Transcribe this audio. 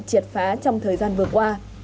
triệt phá trong thời gian vừa qua